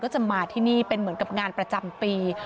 จะมาที่นี่เป็นเหมือนกับงานประจำปี